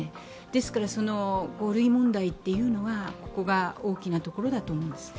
ですから、５類問題というのは、大きなところだと思います。